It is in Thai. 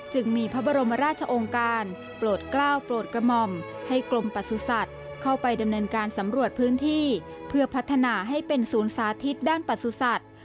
จึงมีพระบรมราชองค์การโปรดกล้าวโปรดกระหม่อมให้กรมประสุทธิ์เข้าไปดำเนินการสำรวจพื้นที่เพื่อพัฒนาให้เป็นศูนย์สาธิตด้านประสุทธิ์